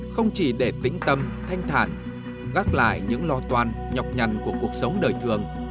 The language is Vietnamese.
không chỉ để tĩnh tâm thanh thản gác lại những lo toan nhọc nhằn của cuộc sống đời thường